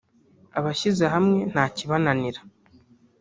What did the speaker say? Abashyize hamwe nta kibananira